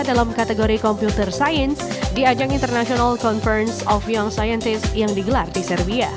dalam kategori computer science di ajang international conference of young scientist yang digelar di serbia